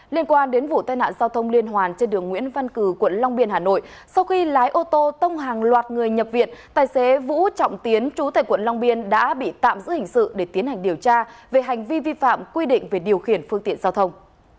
liên quan đến vụ tai nạn giao thông liên hoàn trên đường nguyễn văn cử quận long biên hà nội sau khi lái ô tô tông hàng loạt người nhập viện tài xế vũ trọng tiến chú tại quận long biên đã bị tạm giữ hình sự để tiến hành điều tra về hành vi vi phạm quy định về điều khiển phương tiện giao thông